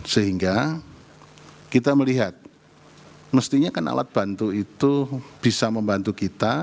sehingga kita melihat mestinya kan alat bantu itu bisa membantu kita